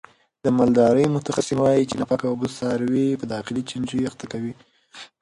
د مالدارۍ متخصصین وایي چې ناپاکه اوبه څاروي په داخلي چنجیو اخته کوي.